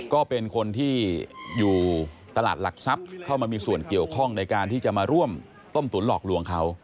ก็เป็นคนที่อยู่ตลาดหลักทรัพย์เข้ามามีส่วนเกี่ยวข้องในการที่จะมาร่วมต้มตุ๋นหลอกลวงเขา